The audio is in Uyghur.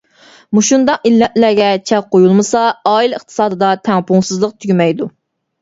مۇشۇنداق ئىللەتلەرگە چەك قويۇلمىسا، ئائىلە ئىقتىسادىدا تەڭپۇڭسىزلىق تۈگىمەيدۇ.